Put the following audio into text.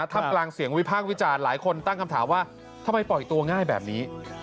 ทำกลางเสียงวิพากษ์วิจารณ์หลายคนตั้งคำถามว่าทำไมปล่อยตัวง่ายแบบนี้